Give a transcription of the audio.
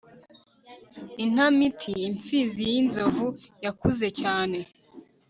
intamati imfizi y'inzovu yakuze cyane